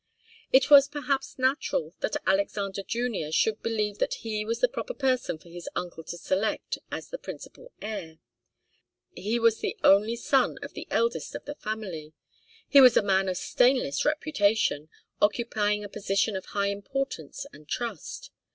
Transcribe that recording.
It was perhaps natural that Alexander Junior should believe that he was the proper person for his uncle to select as the principal heir. He was the only son of the eldest of the family. He was a man of stainless reputation, occupying a position of high importance and trust.